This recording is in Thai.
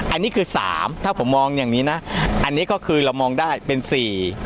อันนี้คือสามถ้าผมมองอย่างนี้นะอันนี้ก็คือเรามองได้เป็นสี่